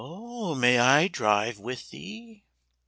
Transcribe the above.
"May I drive with thee?"